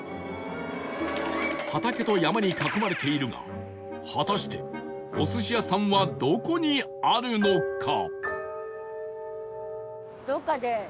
畑と山に囲まれているが果たしてお寿司屋さんはどこにあるのか？